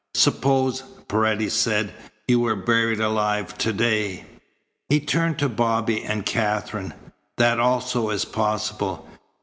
"Suppose," Paredes said, "you were buried alive to day?" He turned to Bobby and Katherine. "That also is possible.